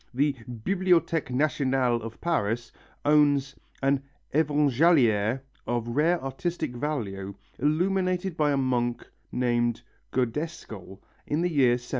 The Bibliothèque Nationale of Paris owns an Évangéliaire of rare artistic value, illuminated by a monk named Godescal of the year 781.